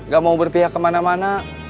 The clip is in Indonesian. gak mau berpihak kemana mana